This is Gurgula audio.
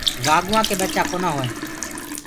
وآڳوُآ ڪي ٻچآ ڪونآ هووينٚ۔